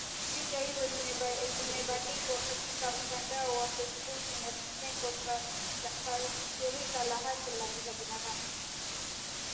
Picha hizo zimebandikwa katika mtandao wa facebook na kitengo cha shirika la haki za binadamu